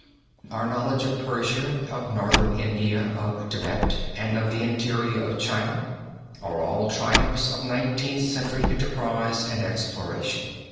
Our knowledge of Persia, of Northern India, of Thibet, and of the interior of China are all triumphs of Nineteenth Century enterprise and exploration.